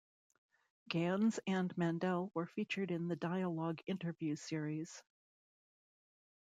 Ganz and Mandel were featured in The Dialogue interview series.